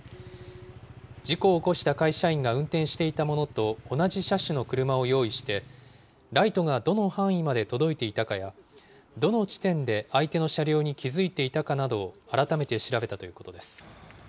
事故を起こした会社員が運転していたものと同じ車種の車を用意して、ライトがどの範囲まで届いていたかや、どの地点で相手の車両に気付いていたかなどを改めて調べたということです。